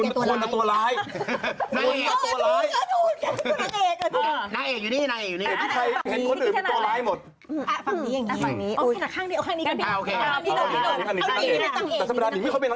คือจริงแล้วมันก็จะมีองศาของหน้าเอาจริงนะฮะ